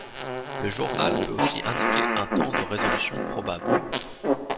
Le journal peut aussi indiquer un temps de résolution probable.